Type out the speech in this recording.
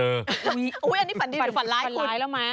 อุ๊ยอันนี้ฝันดีหรือฝันร้ายแล้วมั้ย